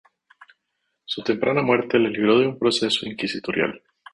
Su temprana muerte le libró de un proceso inquisitorial.